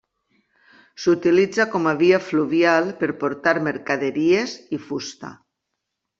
S'utilitza com a via fluvial per portar mercaderies i fusta.